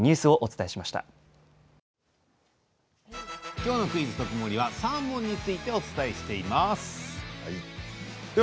きょうの「クイズとくもり」はサーモンについてお伝えしています。